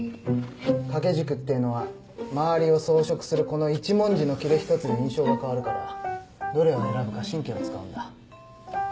掛け軸ってのは周りを装飾するこの一文字の裂一つで印象が変わるからどれを選ぶか神経を使うんだ。